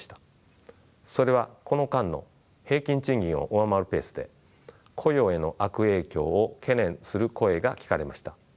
それはこの間の平均賃金を上回るペースで雇用への悪影響を懸念する声が聞かれました。